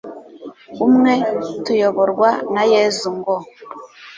umwe, tuyoborwa na yezu ngo